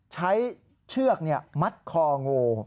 ใช้เชือกมัดคลองงู